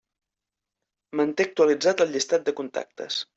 Manté actualitzat el llistat de contactes.